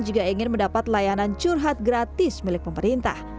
jika ingin mendapat layanan curhat gratis milik pemerintah